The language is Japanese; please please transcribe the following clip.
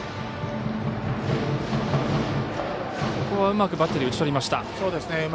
ここはうまくバッテリー打ち取りました。